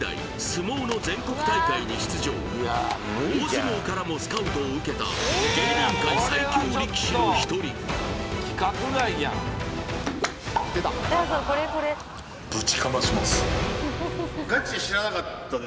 相撲の全国大会に出場大相撲からもスカウトを受けた芸人界最強力士の一人ネルソンズ対ゆんぼだんぷ